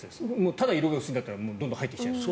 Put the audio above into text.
ただ色が薄いんだったらどんどん入ってきちゃう。